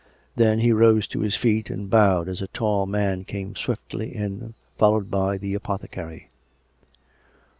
Then he rose to his feet and bowed as a tall man came swiftly in, followed by the apothecary.